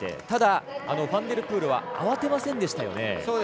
ただ、ファンデルプールは慌てませんでしたよね。